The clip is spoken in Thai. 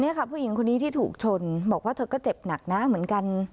นี่ค่ะผู้หญิงคนนี้ที่ถูกชนบอกว่าเธอก็เจ็บหนักนะเหมือนกัน